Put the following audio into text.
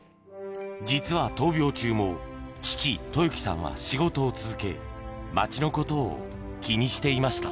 実は闘病中も父、豊樹さんは仕事を続け、町のことを気にしていました。